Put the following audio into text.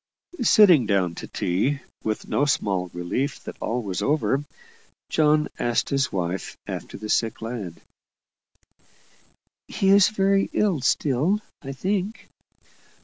Sitting down to tea, with no small relief that all was over, John asked his wife after the sick lad. "He is very ill still, I think."